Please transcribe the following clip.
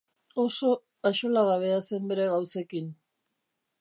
Oso axolagabea zen bere gauzekin.